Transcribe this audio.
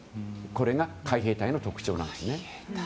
これが海兵隊の特徴です。